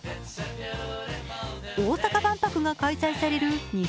大阪万博が開催される